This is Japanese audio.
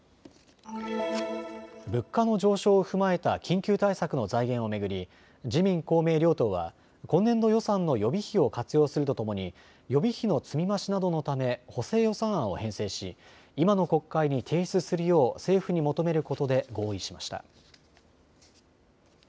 物価の上昇を踏まえた緊急対策の財源を巡り自民公明両党は今年度予算の予備費を活用するとともに予備費の積み増しなどのため補正予算案を編成し今の国会に提出するよう政府に求めることで合意しました。